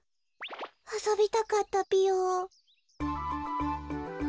あそびたかったぴよ。